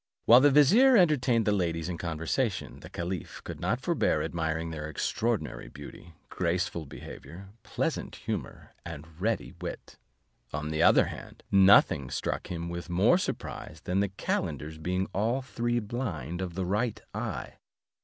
While the vizier, entertained the ladies in conversation, the caliph could not forbear admiring their extraordinary beauty, graceful behaviour, pleasant humour, and ready wit; on the other hand, nothing struck him with more surprise than the calenders being all three blind of the right eye.